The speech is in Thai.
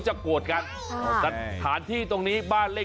โอเคจบข่าวโอเย่